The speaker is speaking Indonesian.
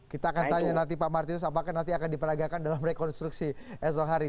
kita akan tanya nanti pak martinus apakah nanti akan diperagakan dalam rekonstruksi esok hari